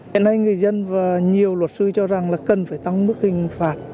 hiện nay người dân và nhiều luật sư cho rằng là cần phải tăng mức hình phạt